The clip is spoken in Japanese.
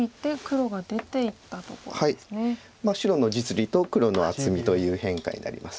白の実利と黒の厚みという変化になります。